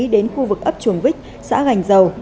đến khu vực ấp chuồng vích xã gành dầu